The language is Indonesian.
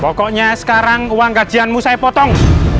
pokoknya sekarang uang kajianmu saya potong